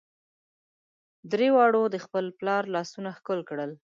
درې واړو د خپل پلار لاسونه ښکل کړل.